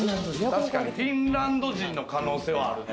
フィンランド人の可能性はあるね。